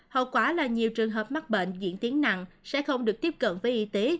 hậu quả là nhiều trường hợp mắc bệnh diễn tiến nặng sẽ không được tiếp cận với y tế